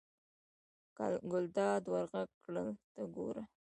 ګلداد ور غږ کړل: ته ګوره.